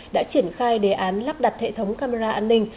đã triển khai đề án lắp đặt hệ thống camera an ninh